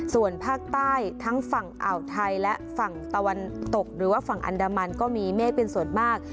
ส่วนภาคใต้ทั้งฝั่งอ่าวไทยและฝั่งตะวันตกหรือว่าฝั่งอันดามันก็มีเมฆเป็นส่วนมาก